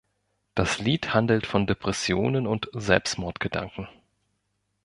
Das Lied handelt von Depressionen und Selbstmordgedanken.